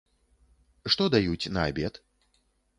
Што даюць на абед?